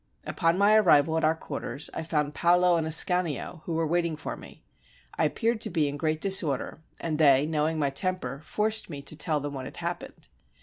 Upon my arrival at our quarters, I found Paolo and Ascanio, who were waiting for me. I appeared to be in great disorder, and they, knowing my temper, forced me to tell them what had happened.